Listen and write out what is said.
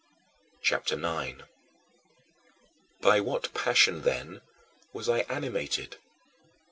CHAPTER IX 17. By what passion, then, was I animated?